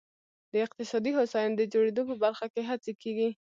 د اقتصادي هوساینې د جوړېدو په برخه کې هڅې کېږي.